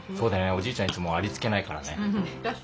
おじいちゃんいつもありつけないからね。